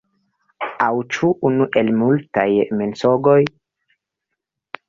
Aŭ ĉu unu el multaj mensogoj?